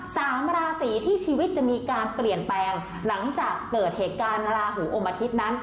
สามราศีที่ชีวิตจะมีการเปลี่ยนแปลงหลังจากเกิดเหตุการณ์ราหูอมอาทิตย์นั้น